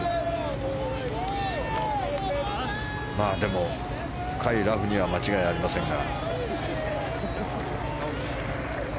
でも、深いラフには間違いありませんが。